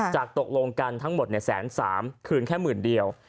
จากตกลงกันทั้งหมดเนี่ยแสนสามคืนแค่หมื่นเดียว